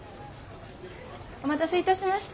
お待たせいたしました